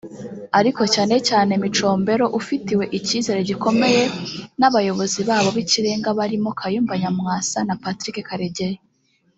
ariko cyane cyane Micombero ufitiwe icyizere gikomeye n’Abayobozi babo b’ikirenga barimo Kayumba Nyamwasa na Patrick Karegeya